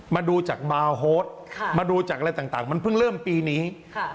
มาดูจากบาร์โฮสมาดูจากอะไรต่างมันเพิ่งเริ่มปีนี้